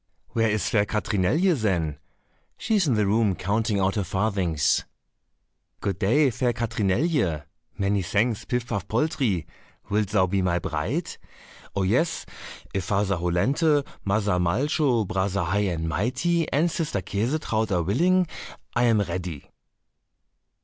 "Where is fair Katrinelje, then?" "She is in the room counting out her farthings." "Good day, fair Katrinelje." "Many thanks, Pif paf poltrie." "Wilt thou be my bride?" "Oh, yes, if Father Hollenthe, Mother Malcho, Brother High and Mighty, and Sister Käsetraut are willing, I am ready."